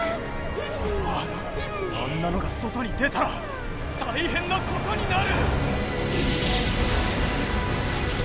あんなのが外に出たら大へんなことになる！